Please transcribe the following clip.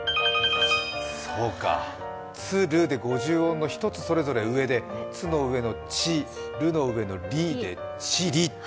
そうか、「つ」「る」で五十音の１つずつ上でつの上の「ち」、るの上の「り」で、チリ。